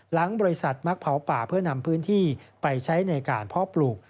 หลังบริษัทมักเผาป่าเพื่อนำพื้นที่ไปใช้ในการเพาะปลูก